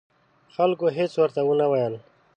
خلکو هېڅ ورته ونه ویل.